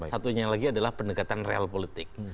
satunya lagi adalah pendekatan real politik